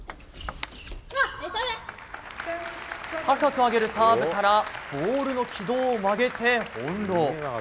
高く上げるサーブからボールの軌道を曲げて翻弄。